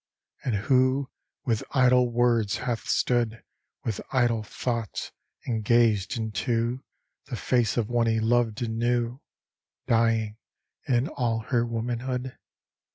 And who with idle words hath stood, With idle thoughts, and gazed into The face of one he loved and knew, Dying in all her womanhood?